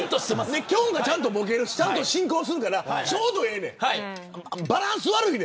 きょんがちゃんとボケるしちゃんと進行するからちょうどええねん。